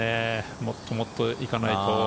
もっともっと行かないと。